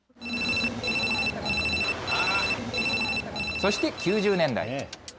そして９０年代。